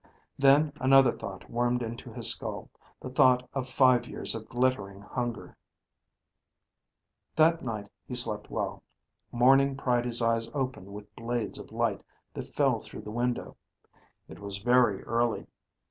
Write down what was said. Then another thought wormed into his skull, the thought of five years of glittering hunger. That night he slept well. Morning pried his eyes open with blades of light that fell through the window. It was very early.